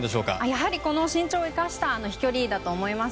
やはり身長を生かした飛距離だと思います。